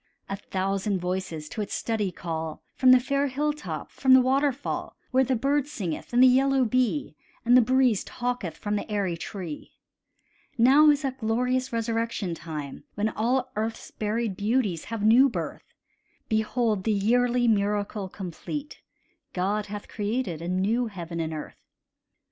A thousand voices to its study call, From the fair hilltop, from the waterfall, Where the bird singeth, and the yellow bee, And the breeze talketh from the airy tree. Now is that glorious resurrection time When all earth's buried beauties have new birth: Behold the yearly miracle complete, God hath created a new heaven and earth!